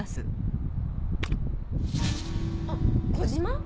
あっ小島！？